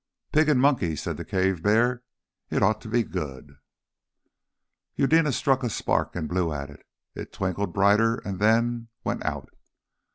"Pig and monkey," said the cave bear. "It ought to be good." Eudena struck a spark and blew at it; it twinkled brighter and then went out.